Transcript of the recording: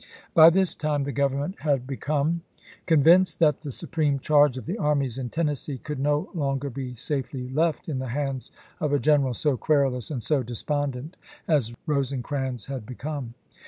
By this ^^p^^g" ' time theGrovernment had become convinced that the supreme charge of the armies in Tennessee could no longer be safely left in the hands of a general so querulous and so despondent as Eosecrans had become.